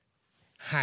はい。